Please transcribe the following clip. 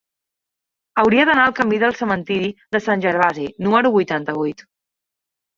Hauria d'anar al camí del Cementiri de Sant Gervasi número vuitanta-vuit.